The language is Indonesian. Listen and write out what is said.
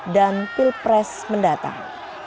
dan pilpres mendatang